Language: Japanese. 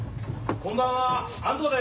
こんばんは。